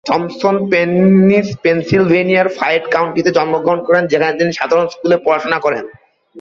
Thompson পেন্সিল্ভেনিয়ার Fayette কাউন্টিতে জন্মগ্রহণ করেন, যেখানে তিনি সাধারণ স্কুলে পড়াশোনা করেন।